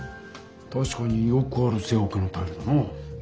たしかによくある正方形のタイルだな。